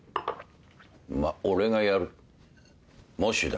まっ俺がやるもしだ。